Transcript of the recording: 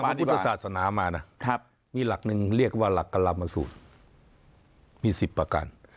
ผมเรียนทางพุทธศาสนามานะมีหลักหนึ่งเรียกว่าหลักกรรมสูตรมี๑๐ประการ